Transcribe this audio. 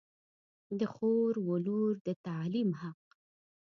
د خور و لور د تعلیم حق